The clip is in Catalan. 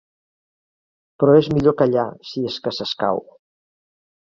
Però és millor callar, si és que s'escau.